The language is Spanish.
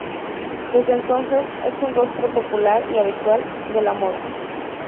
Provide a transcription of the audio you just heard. Desde entonces es un rostro popular y habitual de la moda.